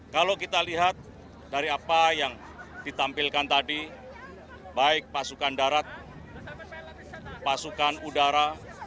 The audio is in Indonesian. kalau kita lihat dari apa yang ditampilkan tadi baik pasukan darat pasukan udara